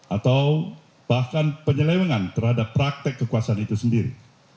atau bahkan penyelewengan terhadap praktek kekuasaan itu sendiri